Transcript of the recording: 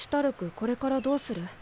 これからどうする？